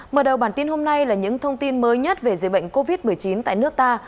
mở đầu bản tin hôm nay là những thông tin mới nhất về dịch bệnh covid một mươi chín tại nước ta